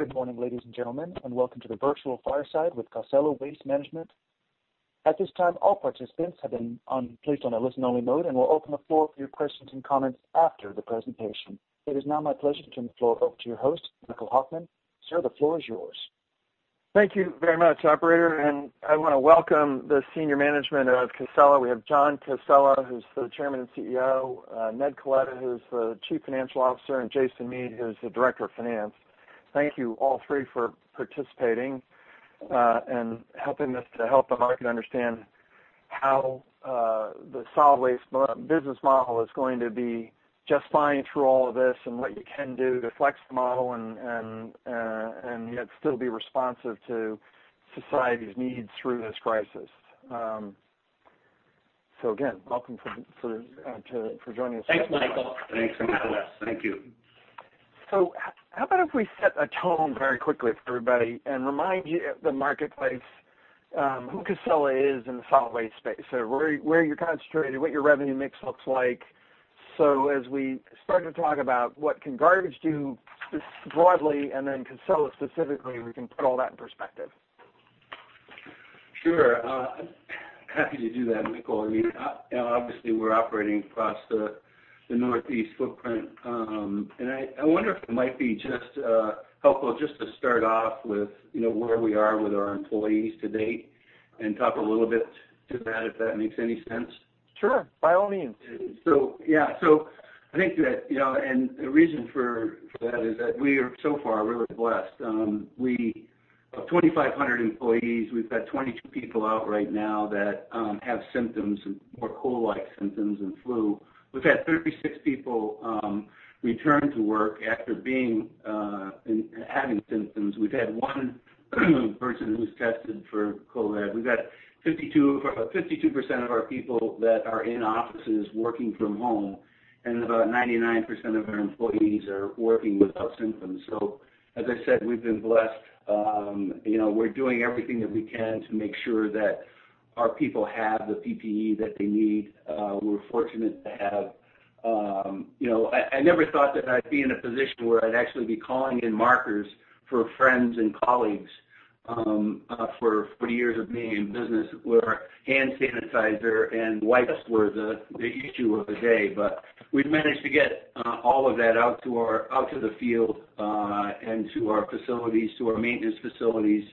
Good morning, ladies and gentlemen. Welcome to the virtual fireside with Casella Waste Management. At this time, all participants have been placed on a listen-only mode, and we'll open the floor for your questions and comments after the presentation. It is now my pleasure to turn the floor over to your host, Michael Hoffman. Sir, the floor is yours. Thank you very much, operator, and I want to welcome the senior management of Casella. We have John Casella, who's the Chairman and CEO, Ned Coletta, who's the Chief Financial Officer, and Jason Mead, who's the Director of Finance. Thank you all three for participating, and helping us to help the market understand how, the solid waste business model is going to be just fine through all of this and what you can do to flex the model and yet still be responsive to society's needs through this crisis. Again, welcome for joining us. Thanks, Michael. Thanks, Michael. Thank you. How about if we set a tone very quickly for everybody and remind the marketplace who Casella is in the solid waste space. Where you're concentrated, what your revenue mix looks like. As we start to talk about what can garbage do just broadly, and then Casella specifically, we can put all that in perspective. Sure. Happy to do that, Michael. Obviously, we're operating across the Northeast footprint. I wonder if it might be just helpful just to start off with where we are with our employees to date, and talk a little bit to that, if that makes any sense. Sure. By all means. Yeah. The reason for that is that we are so far really blessed. Of 2,500 employees, we've had 22 people out right now that have symptoms, more cold-like symptoms than flu. We've had 36 people return to work after having symptoms. We've had one person who's tested for COVID. We've got 52% of our people that are in offices working from home, and about 99% of our employees are working without symptoms. As I said, we've been blessed. We're doing everything that we can to make sure that our people have the PPE that they need. We're fortunate to have. I never thought that I'd be in a position where I'd actually be calling in markers for friends and colleagues, for 40 years of being in business, where hand sanitizer and wipes were the issue of the day. We've managed to get all of that out to the field, and to our facilities, to our maintenance facilities,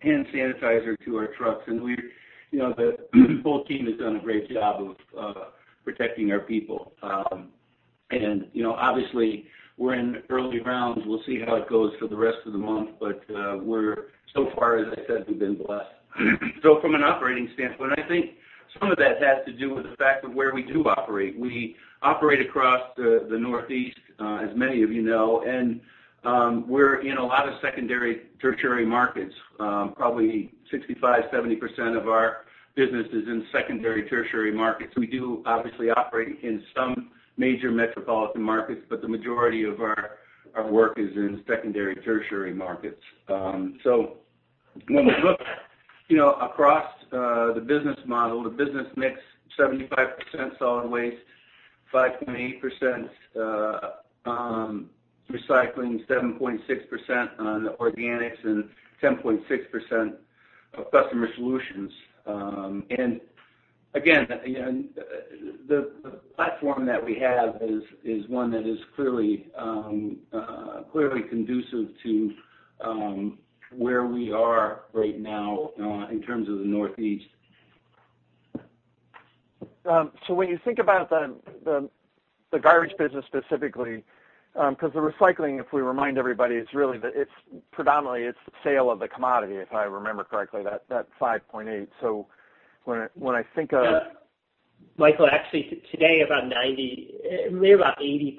hand sanitizer to our trucks, and the whole team has done a great job of protecting our people. Obviously, we're in early rounds. We'll see how it goes for the rest of the month. So far, as I said, we've been blessed. From an operating standpoint, I think some of that has to do with the fact of where we do operate. We operate across the Northeast, as many of you know, and we're in a lot of secondary, tertiary markets. Probably 65%, 70% of our business is in secondary, tertiary markets. We do obviously operate in some major metropolitan markets, but the majority of our work is in secondary, tertiary markets. When we look across the business model, the business mix, 75% solid waste, 5.8% recycling, 7.6% on organics, and 10.6% customer solutions. Again, the platform that we have is one that is clearly conducive to where we are right now in terms of the Northeast. When you think about the garbage business specifically, because the recycling, if we remind everybody, predominantly it's the sale of the commodity, if I remember correctly, that 5.8%. Michael, actually today, maybe about 80%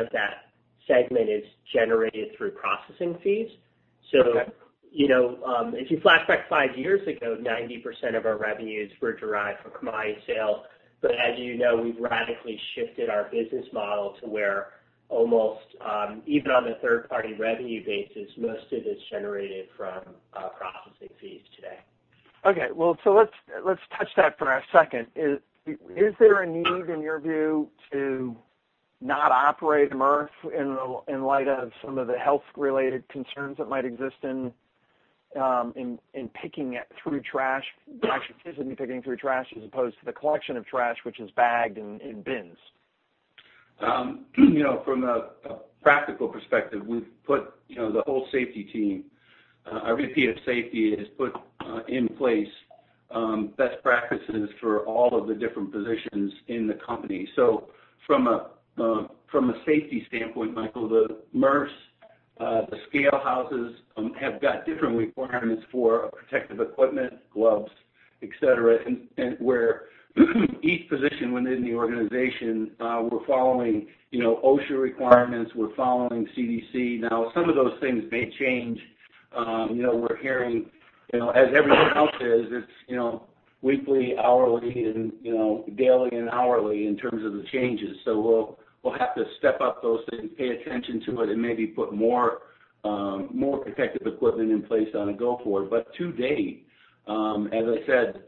of that segment is generated through processing fees. If you flashback five years ago, 90% of our revenues were derived from commodity sales. As you know, we've radically shifted our business model to where almost, even on the third-party revenue basis, most of it's generated from processing fees today. Okay. Well, let's touch that for a second. Is there a need, in your view, to not operate MRF in light of some of the health-related concerns that might exist in picking through trash, the actual physically picking through trash, as opposed to the collection of trash, which is bagged in bins? From a practical perspective, we've put the whole safety team, our VP of Safety has put in place best practices for all of the different positions in the company. From a safety standpoint, Michael, the MRFs, the scale houses, have got different requirements for protective equipment, gloves, et cetera. Where each position within the organization, we're following OSHA requirements, we're following CDC. Now, some of those things may change. We're hearing, as everyone else is, it's weekly, hourly, and daily, and hourly in terms of the changes. We'll have to step up those things, pay attention to it, and maybe put more protective equipment in place on a go forward. To date, as I said,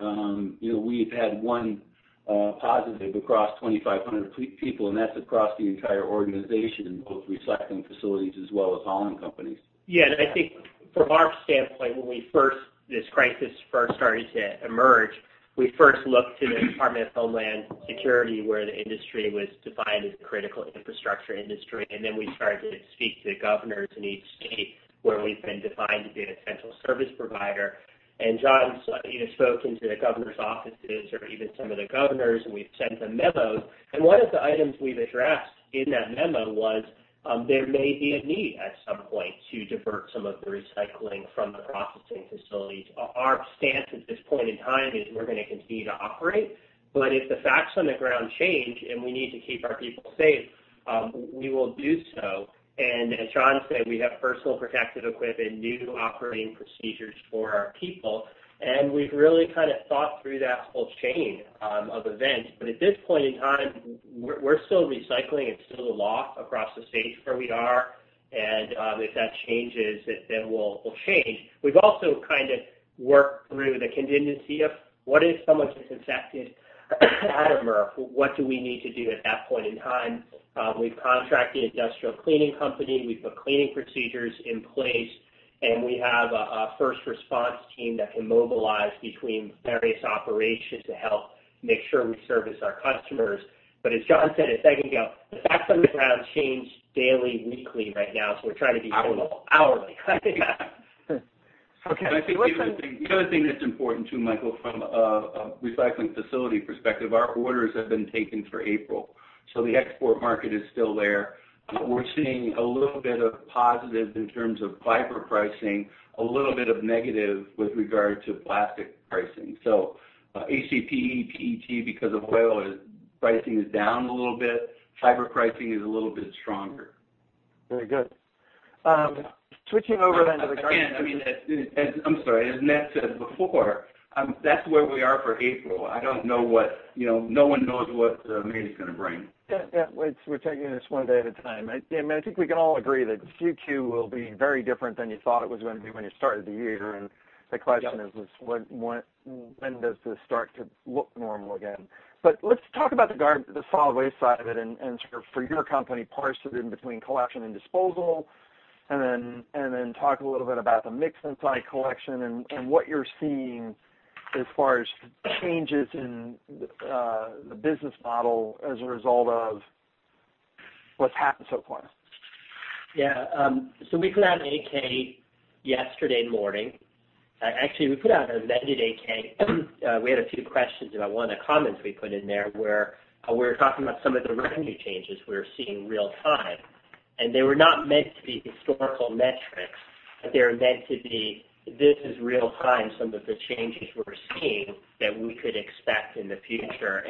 we've had one positive across 2,500 people, and that's across the entire organization, both recycling facilities as well as hauling companies. Yeah, I think from our standpoint, when this crisis first started to emerge, we first looked to the Department of Homeland Security, where the industry was defined as a critical infrastructure industry, then we started to speak to the governors in each state, where we've been defined to be an essential service provider. John's spoken to the governor's offices or even some of the governors, and we've sent them memos. One of the items we've addressed in that memo was, there may be a need at some point to divert some of the recycling from the processing facilities. Our stance at this point in time is we're going to continue to operate, but if the facts on the ground change and we need to keep our people safe, we will do so. As John said, we have personal protective equipment, new operating procedures for our people, and we've really thought through that whole chain of events. At this point in time, we're still recycling. It's still law across the states where we are. If that changes, then we'll change. We've also worked through the contingency of what if someone's infected at a MRF? What do we need to do at that point in time? We've contracted an industrial cleaning company, we've put cleaning procedures in place, and we have a first response team that can mobilize between various operations to help make sure we service our customers. As John said a second ago, the facts on the ground change daily, weekly right now. Hourly. Hourly. Yeah. Okay. I think the other thing that's important, too, Michael, from a recycling facility perspective, our orders have been taken for April. The export market is still there. We're seeing a little bit of positive in terms of fiber pricing, a little bit of negative with regard to plastic pricing. HDPE, PET, because of oil, pricing is down a little bit. Fiber pricing is a little bit stronger. Very good. Switching over then to. Again, I'm sorry, as Ned said before, that's where we are for April. No one knows what May is going to bring. Yeah. We're taking this one day at a time. I think we can all agree that Q2 will be very different than you thought it was going to be when you started the year. The question is when does this start to look normal again? Let's talk about the solid waste side of it and, for your company, parse it in between collection and disposal, and then talk a little bit about the mix and tie collection and what you're seeing as far as changes in the business model as a result of what's happened so far. Yeah. We put out an 8-K yesterday morning. Actually, we put out an amended 8-K. We had a few questions about one of the comments we put in there, where we were talking about some of the revenue changes we were seeing real time, and they were not meant to be historical metrics, but they were meant to be, this is real time some of the changes we're seeing that we could expect in the future.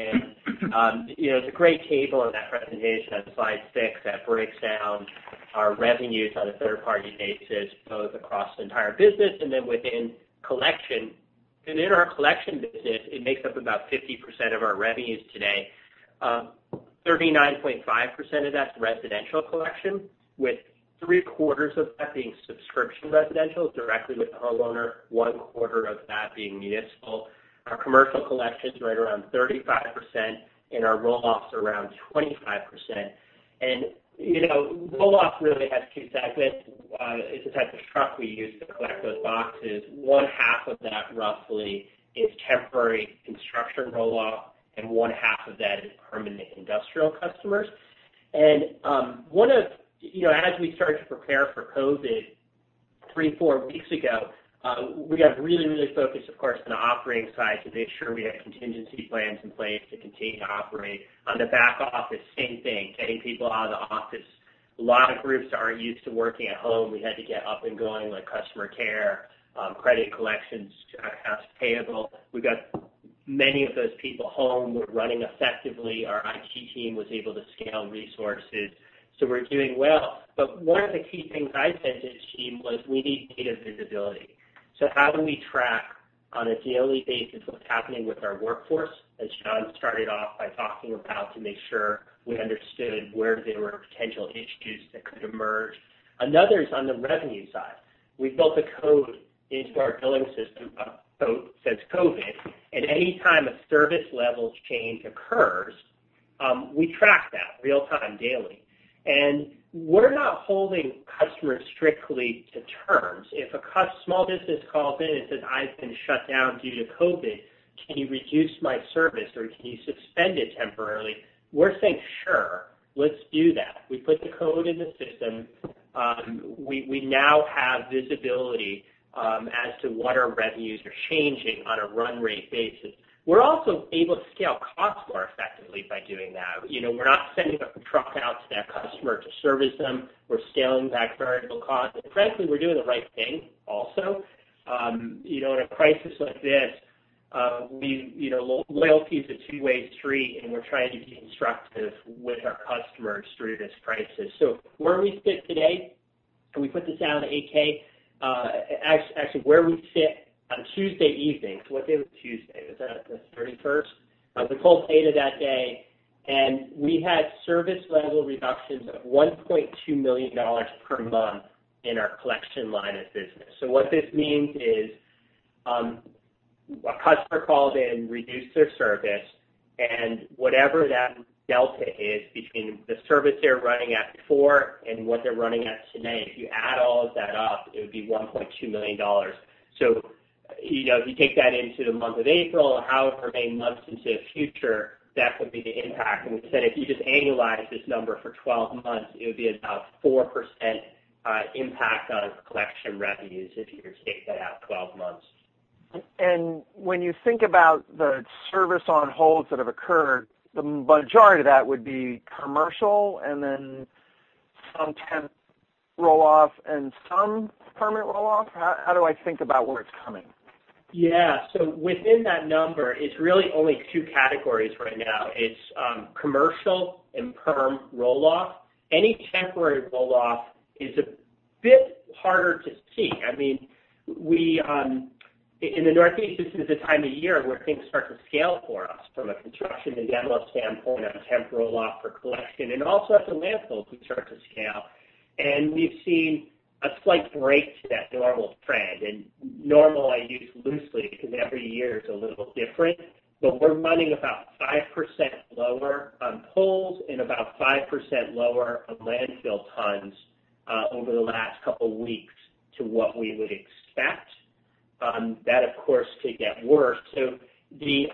There's a great table in that presentation on slide six that breaks down our revenues on a third-party basis, both across the entire business and then within collection. In our collection business, it makes up about 50% of our revenues today. 39.5% of that's residential collection, with 3/4 of that being subscription residential, directly with the homeowner, 1/4 of that being municipal. Our commercial collection's right around 35%, and our roll-offs are around 25%. Roll-off really has two segments. It's the type of truck we use to collect those boxes. 1/2 of that, roughly, is temporary construction roll-off, and 1/2 of that is permanent industrial customers. As we started to prepare for COVID three, four weeks ago, we got really focused, of course, on the operating side to make sure we had contingency plans in place to continue to operate. On the back office, same thing, getting people out of the office. A lot of groups aren't used to working at home. We had to get up and going, like customer care, credit collections, accounts payable. We got many of those people home. We're running effectively. Our IT team was able to scale resources. We're doing well. One of the key things I said to the team was, we need data visibility. How do we track on a daily basis what's happening with our workforce? As John started off by talking about, to make sure we understood where there were potential issues that could emerge. Another is on the revenue side. We built a code into our billing system since COVID, and any time a service levels change occurs, we track that real time, daily. We're not holding customers strictly to terms. If a small business calls in and says, I've been shut down due to COVID, can you reduce my service or can you suspend it temporarily? We're saying, sure. Let's do that. We put the code in the system. We now have visibility as to what our revenues are changing on a run rate basis. We're also able to scale costs more effectively by doing that. We're not sending a truck out to that customer to service them. We're scaling back variable costs. Frankly, we're doing the right thing also. In a crisis like this, loyalty is a two-way street, and we're trying to be constructive with our customers through this crisis. Where we sit today, and we put this out on the 8-K, actually where we sit on Tuesday evening. What day was Tuesday? Was that the 31st? We pulled data that day. We had service level reductions of $1.2 million per month in our collection line of business. What this means is, a customer called in, reduced their service, and whatever that delta is between the service they were running at before and what they're running at today, if you add all of that up, it would be $1.2 million. If you take that into the month of April, however many months into the future, that would be the impact. We said, if you just annualize this number for 12 months, it would be about 4% impact on collection revenues if you were to take that out 12 months. When you think about the service on holds that have occurred, the majority of that would be commercial and then some temp roll-off and some permanent roll-off? How do I think about where it's coming? Within that number, it's really only two categories right now. It's commercial and perm roll-off. Any temporary roll-off is a bit harder to see. In the Northeast, this is the time of year where things start to scale for us from a construction and demo standpoint on temp roll-off for collection, and also at the landfills, we start to scale. We've seen a slight break to that normal trend. Normal I use loosely because every year is a little different, but we're running about 5% lower on pulls and about 5% lower on landfill tons, over the last couple weeks, to what we would expect. That, of course, could get worse. The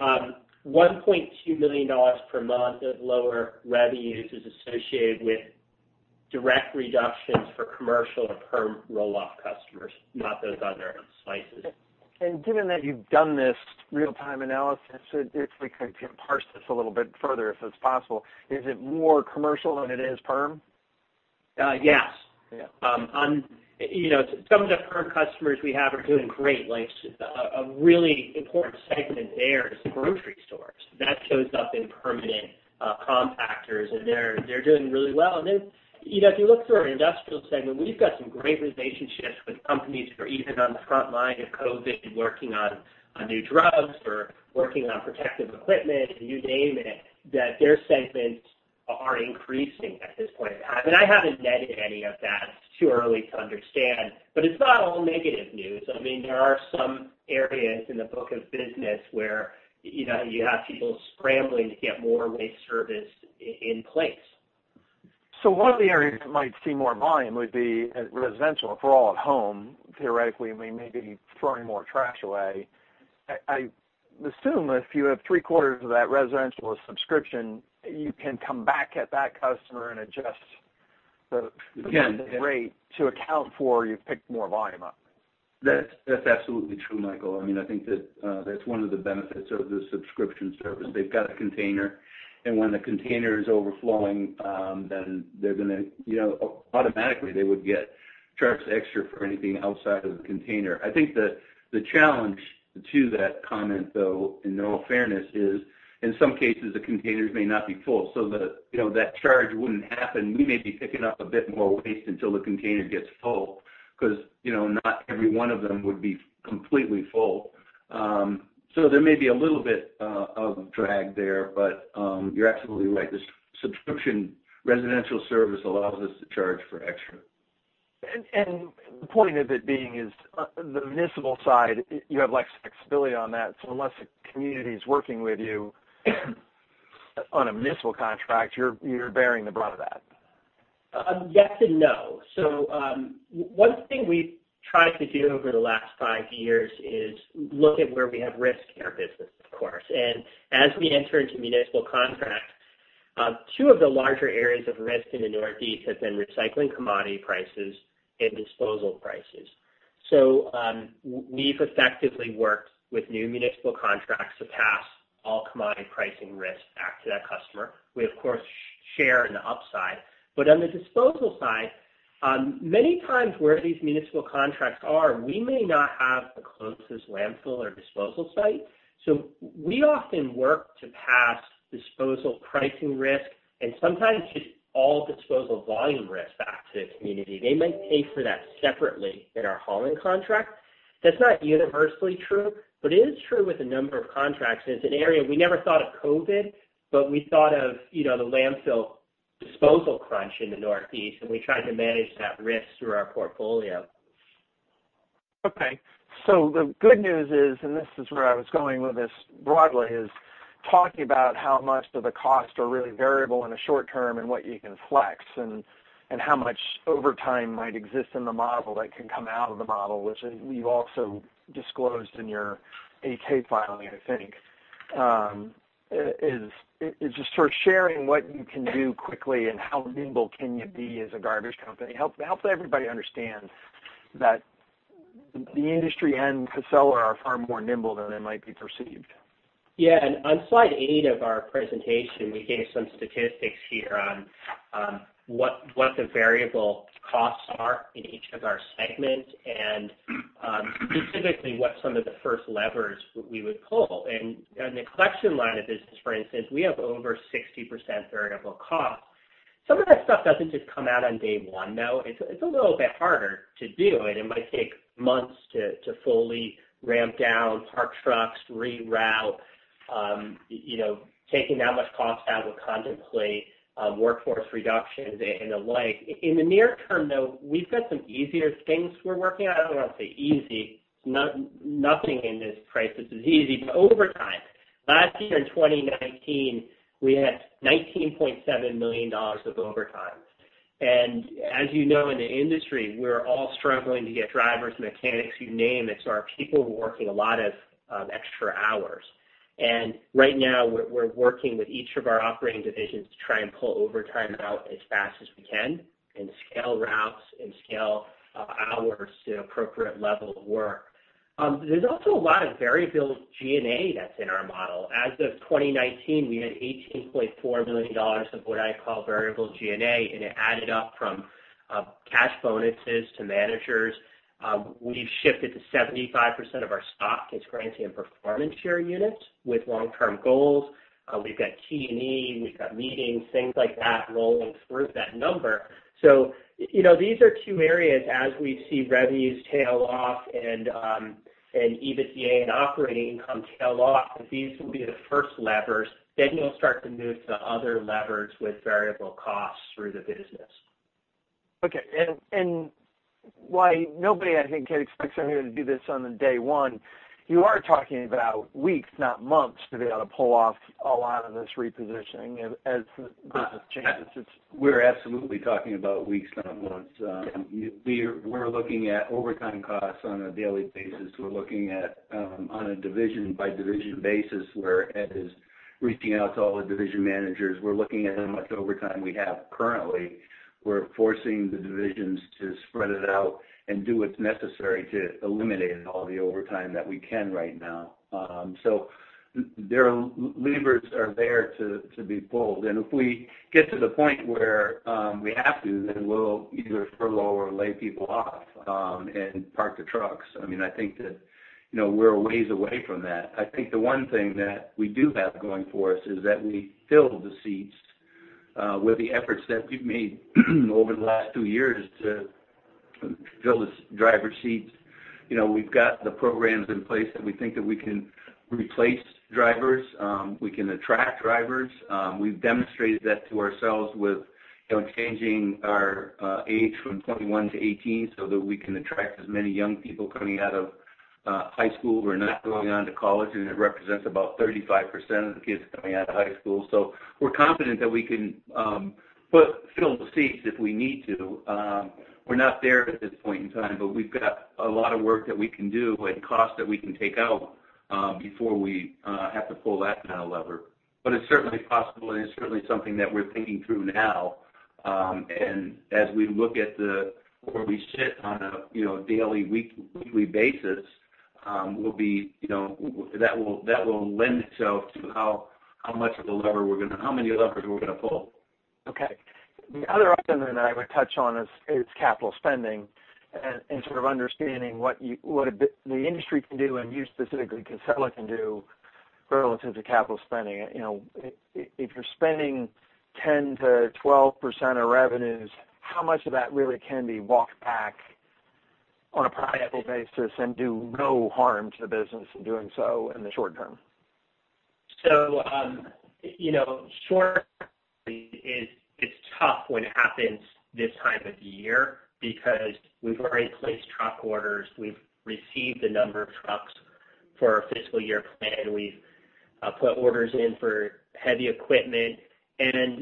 $1.2 million per month of lower revenues is associated with direct reductions for commercial or perm roll-off customers, not those other slices. Given that you've done this real-time analysis, if we could parse this a little bit further, if it's possible, is it more commercial than it is perm? Yes. Some of the perm customers we have are doing great. A really important segment there is grocery stores. That shows up in permanent compactors, they're doing really well. If you look through our industrial segment, we've got some great relationships with companies who are even on the front line of COVID, working on new drugs or working on protective equipment, you name it, that their segments are increasing at this point in time. I haven't netted any of that. It's too early to understand. It's not all negative news. There are some areas in the book of business where you have people scrambling to get more waste service in place. One of the areas that might see more volume would be residential. If we're all at home, theoretically, we may be throwing more trash away. I assume if you have 3/4 of that residential is subscription, you can come back at that customer and adjust the rate to account for, you've picked more volume up. That's absolutely true, Michael. I think that's one of the benefits of the subscription service. They've got a container, and when the container is overflowing, then automatically they would get charged extra for anything outside of the container. I think the challenge to that comment, though, in all fairness, is in some cases, the containers may not be full, so that charge wouldn't happen. We may be picking up a bit more waste until the container gets full, because not every one of them would be completely full. There may be a little bit of drag there. You're absolutely right. The subscription residential service allows us to charge for extra. The point of it being is, the municipal side, you have less flexibility on that, so unless a community is working with you on a municipal contract, you're bearing the brunt of that. Yes and no. One thing we've tried to do over the last five years is look at where we have risk in our business, of course. As we enter into municipal contracts, two of the larger areas of risk in the Northeast have been recycling commodity prices and disposal prices. We've effectively worked with new municipal contracts to pass all commodity pricing risk back to that customer. We, of course, share in the upside. On the disposal side, many times where these municipal contracts are, we may not have the closest landfill or disposal site. We often work to pass disposal pricing risk, and sometimes it's all disposal volume risk, back to the community. They might pay for that separately in our hauling contract. That's not universally true, but it is true with a number of contracts, and it's an area we never thought of COVID, but we thought of the landfill disposal crunch in the Northeast, and we tried to manage that risk through our portfolio. Okay. The good news is, and this is where I was going with this broadly, is talking about how much of the costs are really variable in the short term and what you can flex and how much overtime might exist in the model that can come out of the model, which you've also disclosed in your 8-K filing, I think. It's just sort of sharing what you can do quickly and how nimble can you be as a garbage company. It helps everybody understand that the industry and Casella are far more nimble than they might be perceived. On slide eight of our presentation, we gave some statistics here on what the variable costs are in each of our segments and specifically what some of the first levers we would pull. In the collection line of business, for instance, we have over 60% variable costs. Some of that stuff doesn't just come out on day one, though. It's a little bit harder to do, and it might take months to fully ramp down, park trucks, reroute. Taking that much cost out would contemplate workforce reductions and the like. In the near term, though, we've got some easier things we're working on. I don't want to say easy. Nothing in this crisis is easy. Overtime. Last year, in 2019, we had $19.7 million of overtime. As you know, in the industry, we're all struggling to get drivers, mechanics, you name it. Our people were working a lot of extra hours. Right now, we're working with each of our operating divisions to try and pull overtime out as fast as we can and scale routes and scale hours to appropriate level of work. There's also a lot of variable G&A that's in our model. As of 2019, we had $18.4 million of what I call variable G&A, and it added up from cash bonuses to managers. We've shifted to 75% of our stock is granted in performance share units with long-term goals. We've got T&E, we've got meetings, things like that rolling through that number. These are two areas as we see revenues tail off and EBITDA and operating income tail off, these will be the first levers. You'll start to move to other levers with variable costs through the business. Okay. While nobody, I think, can expect somebody to do this on day one, you are talking about weeks, not months, to be able to pull off a lot of this repositioning as the business changes. We're absolutely talking about weeks, not months. We're looking at overtime costs on a daily basis. We're looking at on a division-by-division basis, where Ned is reaching out to all the division managers. We're looking at how much overtime we have currently. We're forcing the divisions to spread it out and do what's necessary to eliminate all the overtime that we can right now. Levers are there to be pulled, and if we get to the point where we have to, then we'll either furlough or lay people off and park the trucks. I think that we're a ways away from that. I think the one thing that we do have going for us is that we fill the seats with the efforts that we've made over the last two years to fill the driver's seats. We've got the programs in place that we think that we can replace drivers, we can attract drivers. We've demonstrated that to ourselves with changing our age from 21 to 18 so that we can attract as many young people coming out of high school who are not going on to college, and it represents about 35% of the kids coming out of high school. We're confident that we can fill the seats if we need to. We're not there at this point in time, but we've got a lot of work that we can do and cost that we can take out before we have to pull that kind of lever. It's certainly possible, and it's certainly something that we're thinking through now. As we look at where we sit on a daily, weekly basis, that will lend itself to how many levers we're going to pull. Okay. The other item that I would touch on is capital spending and sort of understanding what the industry can do and you specifically, Casella, can do relative to capital spending. If you're spending 10%-12% of revenues, how much of that really can be walked back on a profitable basis and do no harm to the business in doing so in the short term? Short is it's tough when it happens this time of year because we've already placed truck orders, we've received a number of trucks for our fiscal year plan. We've put orders in for heavy equipment.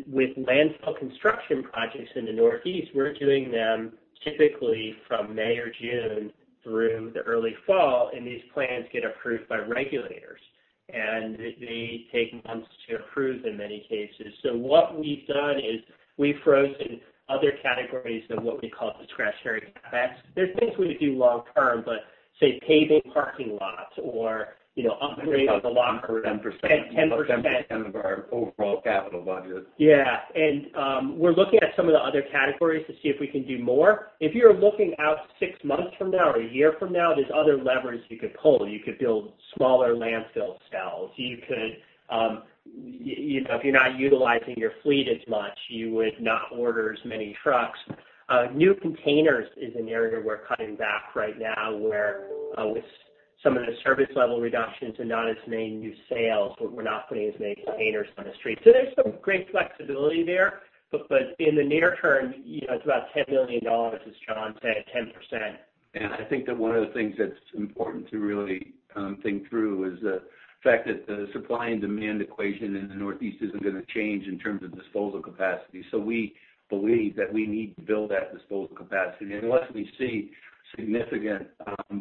With landfill construction projects in the Northeast, we're doing them typically from May or June through the early fall, and these plans get approved by regulators. They take months to approve in many cases. What we've done is we've frozen other categories of what we call discretionary CapEx. They're things we would do long term, but say paving parking lots. 10% of our overall capital budget. Yeah. We're looking at some of the other categories to see if we can do more. If you're looking out six months from now or 1 year from now, there's other levers you could pull. You could build smaller landfill cells. If you're not utilizing your fleet as much, you would not order as many trucks. New containers is an area we're cutting back right now where with some of the service level reductions and not as many new sales, we're not putting as many containers on the street. There's some great flexibility there. In the near term, it's about $10 million, as John said, 10%. I think that one of the things that's important to really think through is the fact that the supply and demand equation in the Northeast isn't going to change in terms of disposal capacity. We believe that we need to build that disposal capacity. Unless we see significant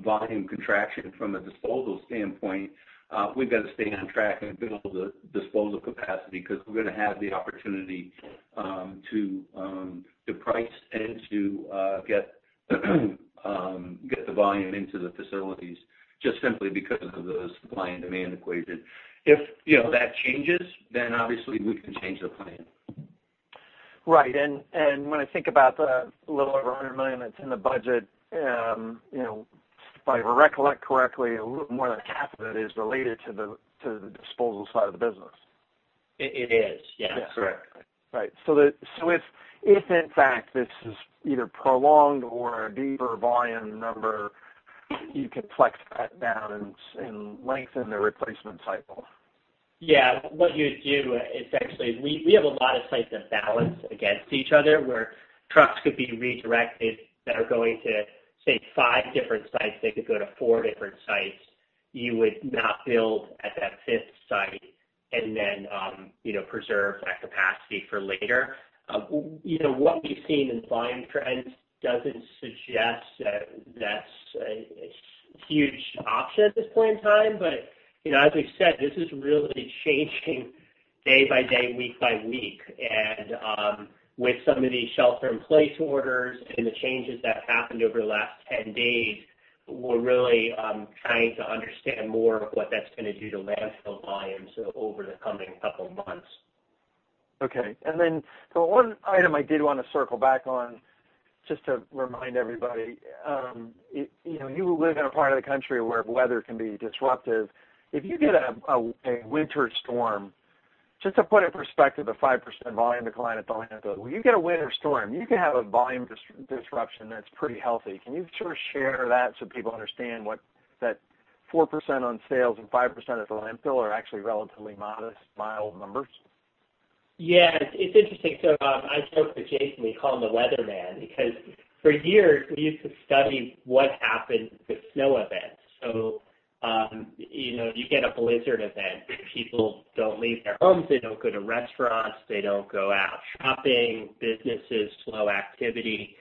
volume contraction from a disposal standpoint, we've got to stay on track and build the disposal capacity because we're going to have the opportunity to price and to get the volume into the facilities just simply because of the supply and demand equation. If that changes, obviously we can change the plan. Right. When I think about the little over $100 million that's in the budget, if I recollect correctly, a little more than half of it is related to the disposal side of the business. It is, yes. Yeah. Correct. Right. If, in fact, this is either prolonged or a deeper volume number, you can flex that down and lengthen the replacement cycle. Yeah. What you would do is actually, we have a lot of sites that balance against each other, where trucks could be redirected that are going to, say, five different sites, they could go to four different sites. You would not build at that fifth site and then preserve that capacity for later. What we've seen in volume trends doesn't suggest that that's a huge option at this point in time. As we've said, this is really changing day by day, week by week. With some of these shelter-in-place orders and the changes that have happened over the last 10 days, we're really trying to understand more of what that's going to do to landfill volumes over the coming couple of months. Okay. The one item I did want to circle back on, just to remind everybody, you live in a part of the country where weather can be disruptive. If you get a winter storm, just to put in perspective, a 5% volume decline at the landfill, when you get a winter storm, you can have a volume disruption that's pretty healthy. Can you sort of share that so people understand what that 4% on sales and 5% at the landfill are actually relatively modest, mild numbers? Yeah. It's interesting. I joke with Jason, we call him the weatherman, because for years, we used to study what happened with snow events. You get a blizzard event, people don't leave their homes, they don't go to restaurants, they don't go out shopping, businesses, slow activity.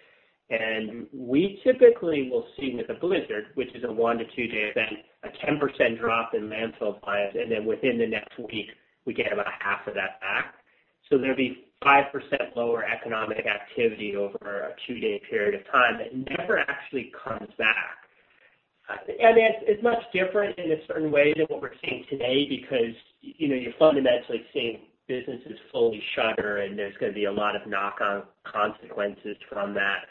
We typically will see with a blizzard, which is a one to two-day event, a 10% drop in landfill volumes, and then within the next week, we get about half of that back. There'll be 5% lower economic activity over a two-day period of time that never actually comes back. It's much different in a certain way than what we're seeing today because you're fundamentally seeing businesses fully shutter and there's going to be a lot of knock-on consequences from that.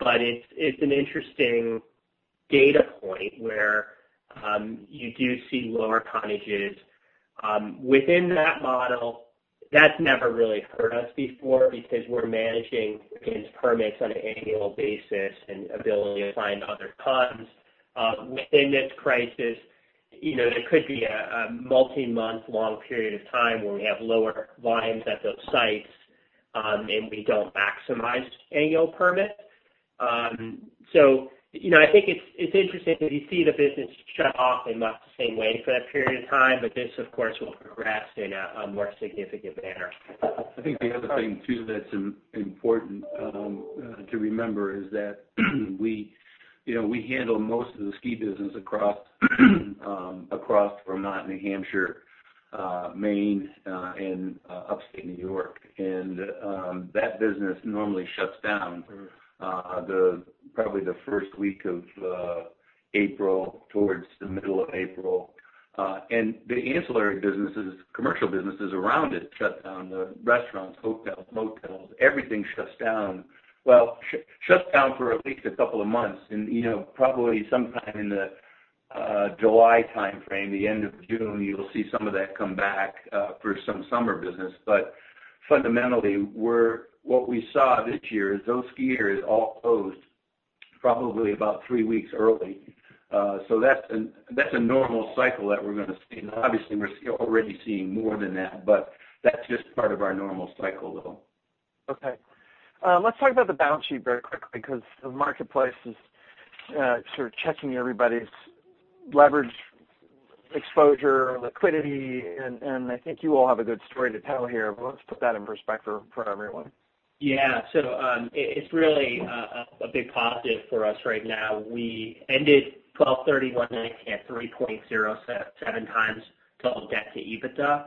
It's an interesting data point, where you do see lower tonnages. Within that model, that's never really hurt us before because we're managing against permits on an annual basis and ability to find other tons. Within this crisis, there could be a multi-month-long period of time where we have lower volumes at those sites, and we don't maximize annual permits. I think it's interesting that you see the business shut off in much the same way for that period of time, but this, of course, will progress in a more significant manner. I think the other thing, too, that's important to remember is that we handle most of the ski business across Vermont, New Hampshire, Maine, and Upstate New York. That business normally shuts down. probably the first week of April, towards the middle of April. The ancillary businesses, commercial businesses around it shut down. The restaurants, hotels, motels, everything shuts down. Well, shuts down for at least a couple of months, and probably sometime in the July timeframe, the end of June, you'll see some of that come back for some summer business. Fundamentally, what we saw this year is those skiers all closed probably about three weeks early. That's a normal cycle that we're going to see. Now, obviously, we're already seeing more than that, but that's just part of our normal cycle, though. Let's talk about the balance sheet very quickly, because the marketplace is sort of checking everybody's leverage, exposure, liquidity, and I think you all have a good story to tell here, but let's put that in perspective for everyone. Yeah. It's really a big positive for us right now. We ended 12/31/2019 at 3.07x total debt to EBITDA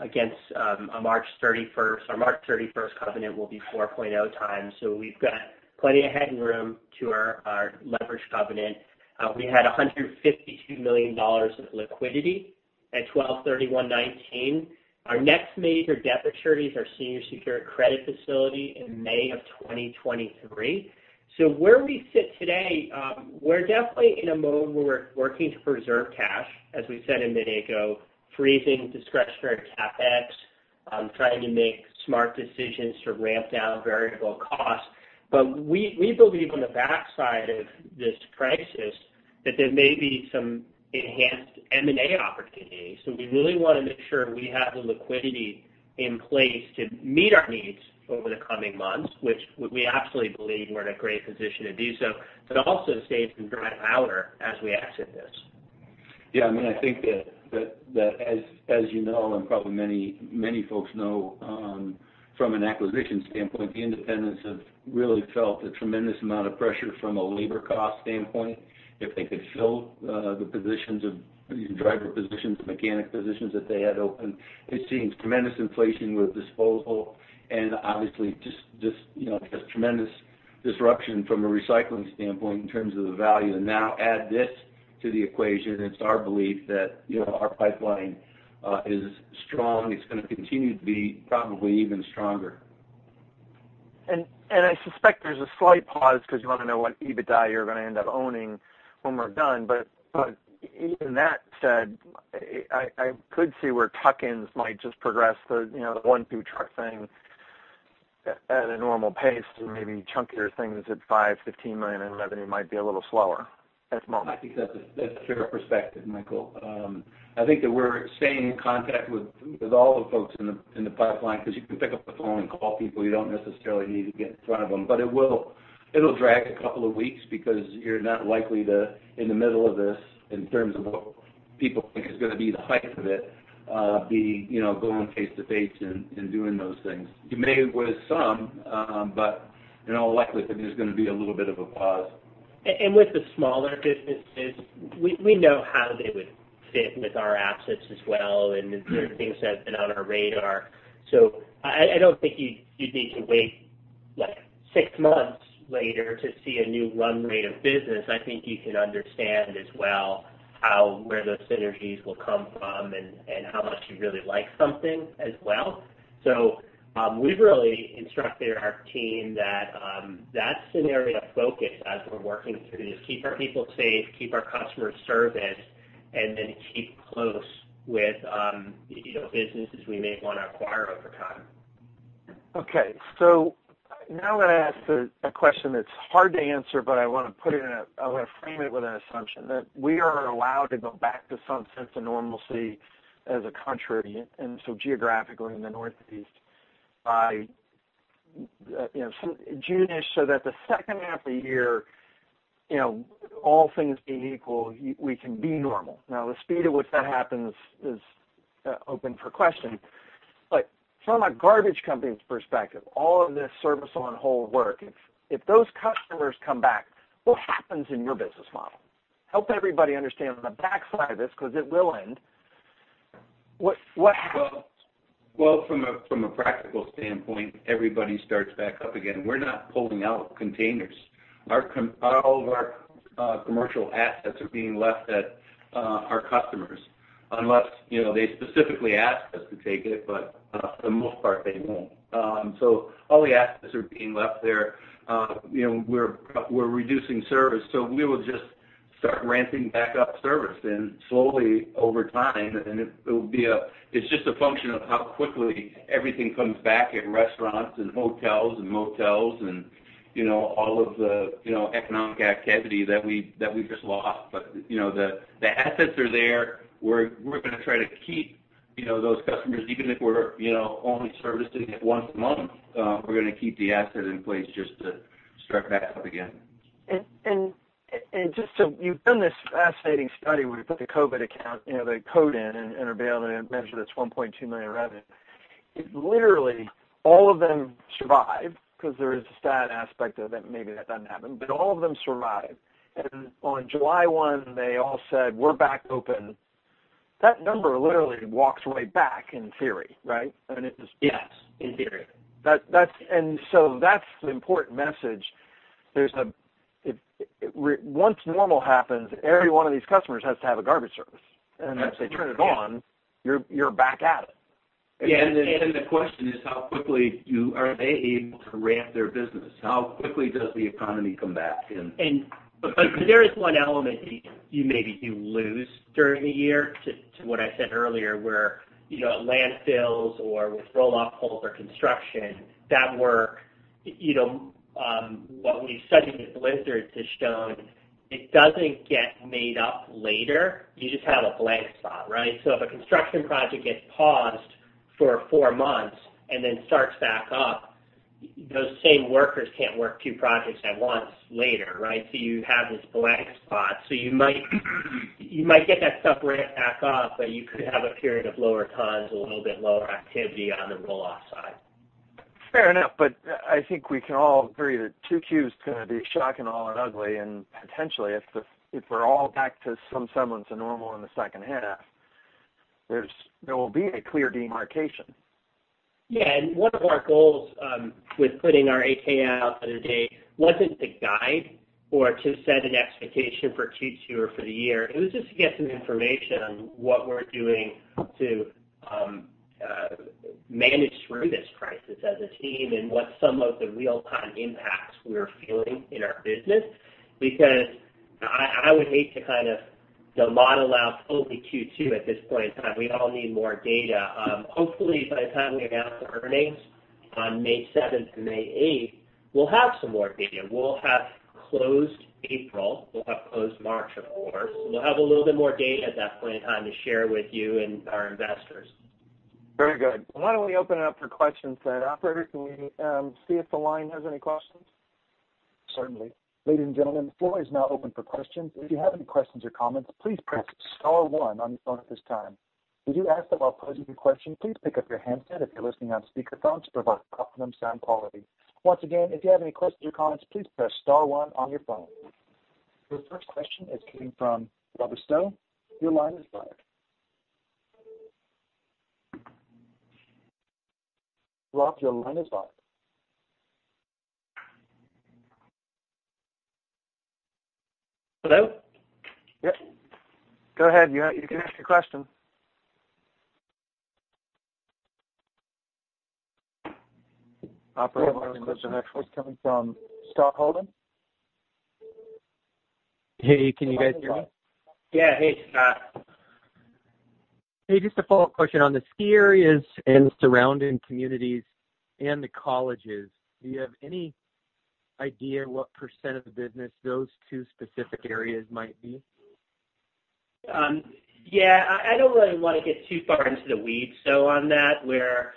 against our March 31st covenant will be 4.0x. We've got plenty of headroom to our leverage covenant. We had $152 million of liquidity at 12/31/2019. Our next major debt maturity is our senior secured credit facility in May of 2023. Where we sit today, we're definitely in a mode where we're working to preserve cash, as we said a minute ago, freezing discretionary CapEx, trying to make smart decisions to ramp down variable costs. We believe on the backside of this crisis that there may be some enhanced M&A opportunities. We really want to make sure we have the liquidity in place to meet our needs over the coming months, which we absolutely believe we're in a great position to do so, but also stay some dry powder as we exit this. Yeah. I think that as you know, and probably many folks know, from an acquisition standpoint, the independents have really felt a tremendous amount of pressure from a labor cost standpoint. If they could fill the driver positions, the mechanic positions that they had open, they've seen tremendous inflation with disposal, and obviously just tremendous disruption from a recycling standpoint in terms of the value. Now, add this to the equation, it's our belief that our pipeline is strong. It's going to continue to be probably even stronger. I suspect there's a slight pause because you want to know what EBITDA you're going to end up owning when we're done. Even that said, I could see where tuck-ins might just progress, the one, two truck thing at a normal pace and maybe chunkier things at $5 million, $15 million in revenue might be a little slower at the moment. I think that's a fair perspective, Michael. I think that we're staying in contact with all the folks in the pipeline, because you can pick up the phone and call people. You don't necessarily need to get in front of them. It'll drag a couple of weeks because you're not likely to, in the middle of this, in terms of what people think is going to be the height of it, be going face to face and doing those things. You may with some, but in all likelihood, there's going to be a little bit of a pause. With the smaller businesses, we know how they would fit with our assets as well, and they're things that have been on our radar. I don't think you'd need to wait six months later to see a new run rate of business. I think you can understand as well where those synergies will come from and how much you really like something as well. We've really instructed our team that that's an area of focus as we're working through this. Keep our people safe, keep our customer service, and then keep close with businesses we may want to acquire over time. Okay. Now I'm going to ask a question that's hard to answer, but I want to frame it with an assumption, that we are allowed to go back to some sense of normalcy as a country, and so geographically in the Northeast by June-ish, so that the second half of the year, all things being equal, we can be normal. The speed at which that happens is open for question. From a garbage company's perspective, all of this service on hold work, if those customers come back, what happens in your business model? Help everybody understand on the back side of this, because it will end, what happens? Well, from a practical standpoint, everybody starts back up again. We're not pulling out containers. All of our commercial assets are being left at our customers, unless they specifically ask us to take it, but for the most part, they won't. All the assets are being left there. We're reducing service, so we will just start ramping back up service. Slowly over time, it's just a function of how quickly everything comes back at restaurants and hotels and motels and all of the economic activity that we just lost. The assets are there. We're going to try to keep those customers, even if we're only servicing it once a month, we're going to keep the asset in place just to start back up again. You've done this fascinating study where you put the COVID account, the code in and are being able to measure this $1.2 million revenue. If literally all of them survive, because there is a sad aspect of it, maybe that doesn't happen, but all of them survive. On July 1, they all said, we're back open. That number literally walks right back in theory, right? I mean. Yes, in theory. That's the important message. Once normal happens, every one of these customers has to have a garbage service. Once they turn it on, you're back at it. The question is how quickly are they able to ramp their business? How quickly does the economy come back. There is one element you maybe do lose during the year to what I said earlier, where landfills or with roll-off holds or construction, that work, what we've studied with blizzards has shown it doesn't get made up later. You just have a blank spot, right? If a construction project gets paused for four months and then starts back up, those same workers can't work two projects at once later, right? You have this blank spot. You might get that stuff ramped back up, but you could have a period of lower tons, a little bit lower activity on the roll-off side. Fair enough. I think we can all agree that 2Q is going to be shocking, all in ugly. Potentially, if we're all back to some semblance of normal in the second half, there will be a clear demarcation. Yeah. One of our goals with putting our 8-K out the other day wasn't to guide or to set an expectation for Q2 or for the year. It was just to get some information on what we're doing to manage through this crisis as a team and what some of the real-time impacts we're feeling in our business. I would hate to model out only Q2 at this point in time. We all need more data. Hopefully, by the time we announce our earnings on May 7th and May 8th, we'll have some more data. We'll have closed April. We'll have closed March, of course. We'll have a little bit more data at that point in time to share with you and our investors. Very good. Why don't we open it up for questions then? Operator, can we see if the line has any questions? Certainly. Ladies and gentlemen, the floor is now open for questions. If you have any questions or comments, please press star one on your phone at this time. As you ask them, I'll pose you the question. Please pick up your handset if you're listening on speakerphone to provide optimum sound quality. Once again, if you have any questions or comments, please press star one on your phone. Your first question is coming from Robert Stone. Your line is live. Rob, your line is live. Hello? Yep. Go ahead. You can ask your question. Operator, our next question is coming from Scott Holden. Hey, can you guys hear me? Yeah. Hey, Scott. Hey, just a follow-up question on the ski areas and surrounding communities and the colleges. Do you have any idea what % of the business those two specific areas might be? Yeah. I don't really want to get too far into the weeds, though, on that, where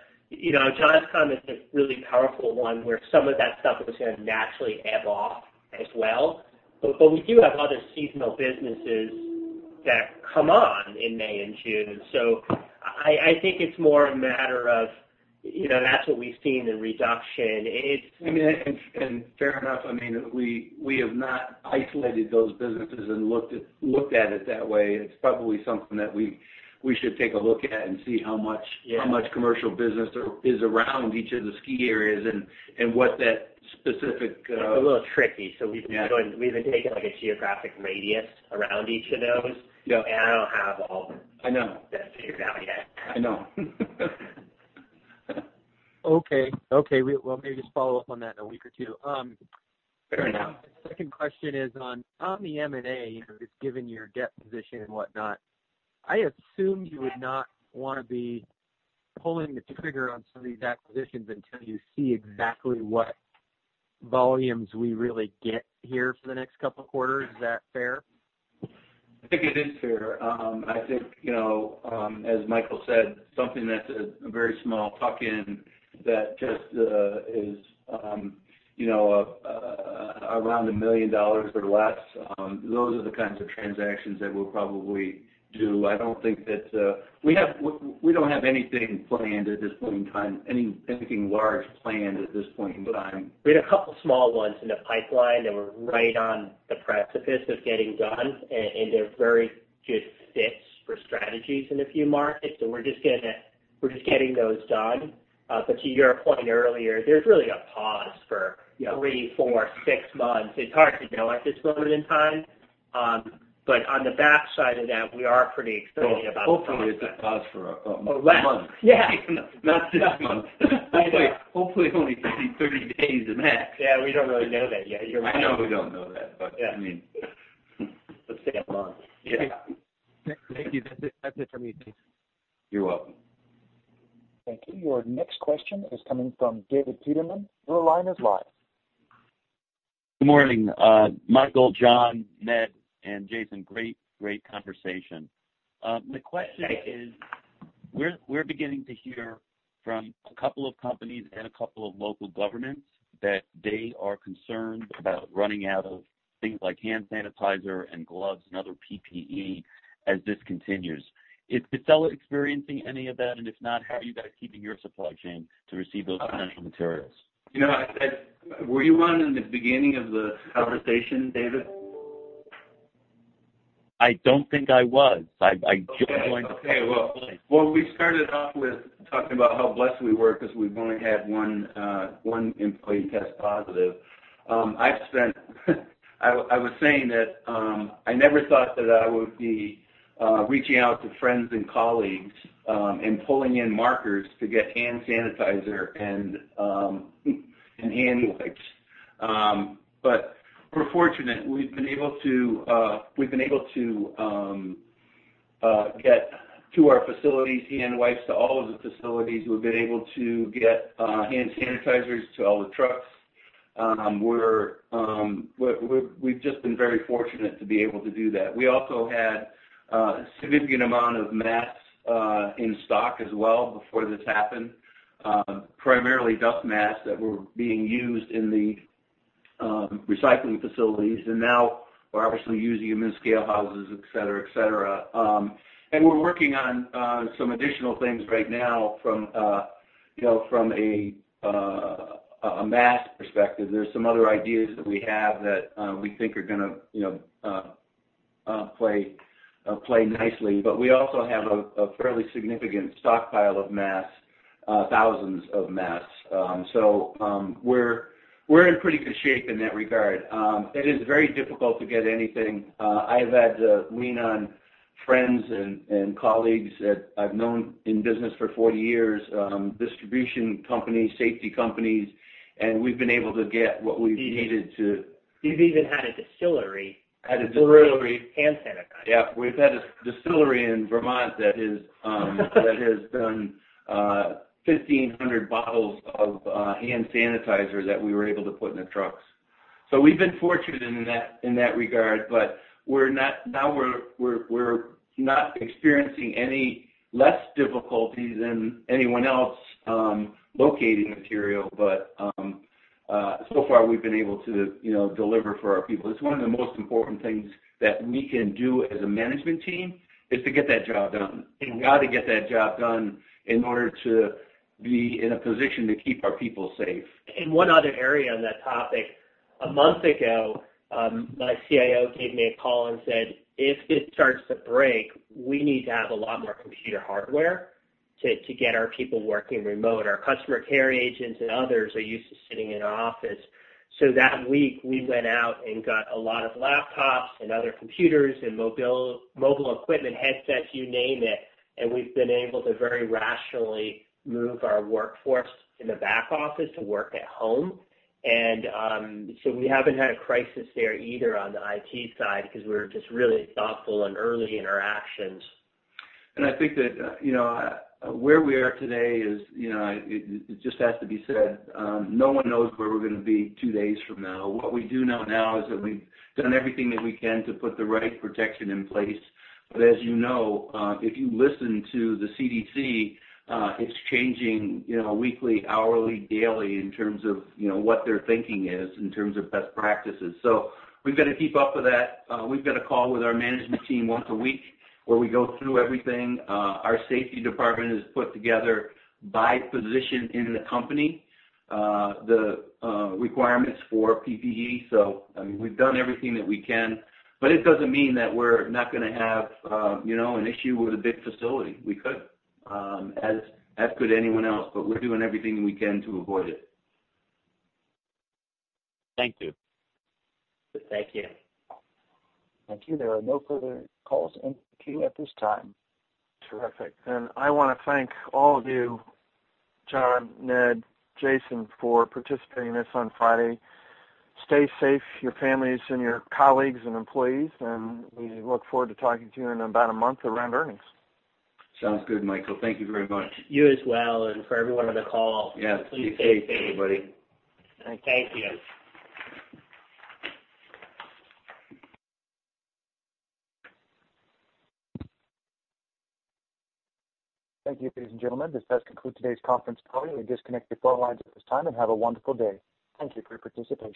John's comment is a really powerful one, where some of that stuff is going to naturally ebb off as well. We do have other seasonal businesses that come on in May and June. I think it's more a matter of, that's what we've seen in reduction. Fair enough. We have not isolated those businesses and looked at it that way. It's probably something that we should take a look at and see how much. Yeah commercial business there is around each of the ski areas and what that. It's a little tricky. We've been taking, like, a geographic radius around each of those. I don't have all of that. I know. figured out yet. I know. Okay. Well, maybe just follow up on that in a week or two. Second question is on the M&A, just given your debt position and whatnot, I assume you would not want to be pulling the trigger on some of these acquisitions until you see exactly what volumes we really get here for the next couple of quarters. Is that fair? I think it is fair. I think, as Michael said, something that's a very small tuck-in that just is around a million dollars or less, those are the kinds of transactions that we'll probably do. We don't have anything planned at this point in time, anything large planned at this point in time. We had a couple small ones in the pipeline that were right on the precipice of getting done, and they're very good fits for strategies in a few markets. We're just getting those done. To your point earlier, there's really a pause for three, four, six months. It's hard to know at this moment in time. On the back side of that, we are pretty excited about the process. Well, hopefully it's a pause for a month. Yeah. Not six months. I know. Hopefully only 30 days at max. Yeah, we don't really know that yet. You're right. I know we don't know that. Yeah I mean. Let's say a month. Yeah. Yeah. Thank you. That's it from me. You're welcome. Thank you. Your next question is coming from David Peterman. Your line is live. Good morning. Michael, John, Ned, and Jason, great conversation. My question is, we're beginning to hear from a couple of companies and a couple of local governments that they are concerned about running out of things like hand sanitizer and gloves and other PPE as this continues. Is Casella experiencing any of that? If not, how are you guys keeping your supply chain to receive those kinds of materials? Were you on in the beginning of the conversation, David? I don't think I was. I just joined the call. Well, we started off with talking about how blessed we were because we've only had one employee test positive. I was saying that I never thought that I would be reaching out to friends and colleagues, and pulling in markers to get hand sanitizer and hand wipes. We're fortunate. We've been able to get to our facilities, hand wipes to all of the facilities. We've been able to get hand sanitizers to all the trucks. We've just been very fortunate to be able to do that. We also had a significant amount of masks in stock as well before this happened. Primarily dust masks that were being used in the recycling facilities, and now we're obviously using them in scale houses, et cetera. We're working on some additional things right now from a mask perspective. There's some other ideas that we have that we think are going to play nicely. We also have a fairly significant stockpile of masks, thousands of masks. We're in pretty good shape in that regard. It is very difficult to get anything. I've had to lean on friends and colleagues that I've known in business for 40 years, distribution companies, safety companies, and we've been able to get what we've needed to. We've even had a distillery. Had a distillery. Hand sanitizer. Yeah. We've had a distillery in Vermont that has done 1,500 bottles of hand sanitizer that we were able to put in the trucks. We've been fortunate in that regard. Now we're not experiencing any less difficulty than anyone else locating material. So far, we've been able to deliver for our people. It's one of the most important things that we can do as a management team, is to get that job done. We got to get that job done in order to be in a position to keep our people safe. One other area on that topic. A month ago, my CIO gave me a call and said, if it starts to break, we need to have a lot more computer hardware. To get our people working remote. Our customer care agents and others are used to sitting in an office. That week we went out and got a lot of laptops and other computers and mobile equipment, headsets, you name it, and we've been able to very rationally move our workforce in the back office to work at home. We haven't had a crisis there either on the IT side because we were just really thoughtful and early in our actions. I think that where we are today is, it just has to be said, no one knows where we're going to be two days from now. What we do know now is that we've done everything that we can to put the right protection in place. As you know, if you listen to the CDC, it's changing weekly, hourly, daily in terms of what their thinking is in terms of best practices. We've got to keep up with that. We've got a call with our management team once a week where we go through everything. Our safety department has put together by position in the company, the requirements for PPE. I mean, we've done everything that we can, but it doesn't mean that we're not going to have an issue with a big facility. We could. As could anyone else, but we're doing everything we can to avoid it. Thank you. Thank you. Thank you. There are no further calls in queue at this time. Terrific. I want to thank all of you, John, Ned, Jason, for participating in this on Friday. Stay safe, your families and your colleagues and employees, and we look forward to talking to you in about a month around earnings. Sounds good, Michael. Thank you very much. You as well, and for everyone on the call. Yeah. Be safe everybody. Thank you. Thank you, ladies and gentlemen, this does conclude today's conference call. You may disconnect your phone lines at this time and have a wonderful day. Thank you for your participation.